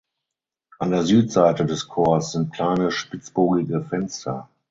An der Südseite des Chors sind kleine spitzbogige Fenster.